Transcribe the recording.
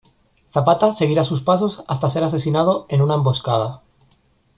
Zapata seguirá sus pasos hasta ser asesinado en una emboscada.